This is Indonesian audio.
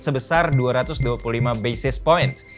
sebesar dua ratus dua puluh lima basis point